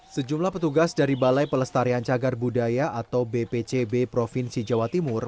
sejumlah petugas dari balai pelestarian cagar budaya atau bpcb provinsi jawa timur